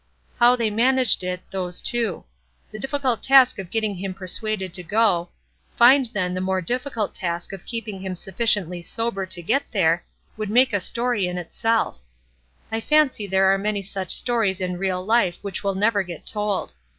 How they managed it, those two: the difficult task of getting him persuaded to go, find then the more difficult task of keeping him sufficiently sober to get there, would make a story in itself. I fancy there are many such stories in real life which will never get told.